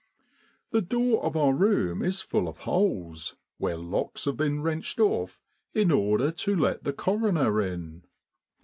The door of our room is full of holes where locks have been wrenched off in order to let the coroner in.